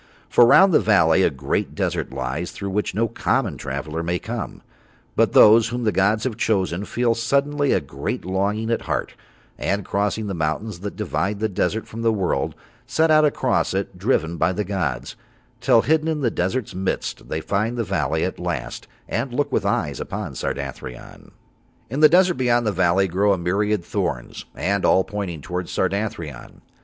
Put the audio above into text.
For round the valley a great desert lies through which no common traveller may come, but those whom the gods have chosen feel suddenly a great longing at heart, and crossing the mountains that divide the desert from the world, set out across it driven by the gods, till hidden in the desert's midst they find the valley at last and look with eyes upon Sardathrion. In the desert beyond the valley grow a myriad thorns, and all pointing towards Sardathrion.